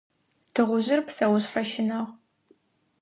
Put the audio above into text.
Тыгъужъыр псэушъхьэ щынагъу.